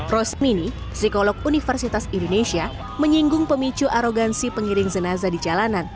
rosmini psikolog universitas indonesia menyinggung pemicu arogansi pengiring jenazah di jalanan